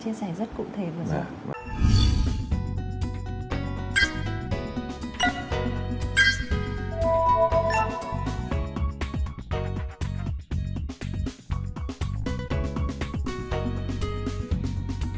chia sẻ rất cụ thể vừa rồi